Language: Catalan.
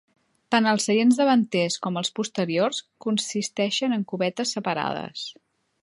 Tant els seients davanters com els posteriors consisteixen en cubetes separades.